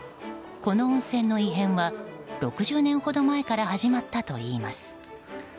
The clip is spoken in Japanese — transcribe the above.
この温泉の異変は６０年ほど前から始まったといいます。